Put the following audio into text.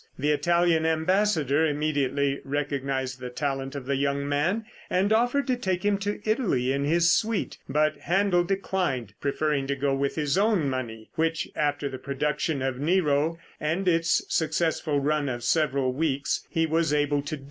The Italian ambassador immediately recognized the talent of the young man, and offered to take him to Italy in his suite, but Händel declined, preferring to go with his own money, which, after the production of "Nero," and its successful run of several weeks, he was able to do.